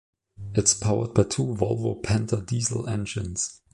It is powered by two Volvo Penta diesel engines.